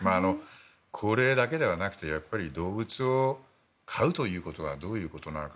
高齢だけではなくてやっぱり動物を飼うということはどういうことなのか。